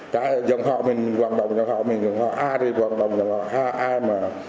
cái dân họ mình vận động dân họ mình vận động ai thì vận động dân họ ai mà